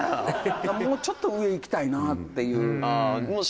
「もうちょっと上いきたいなっていう」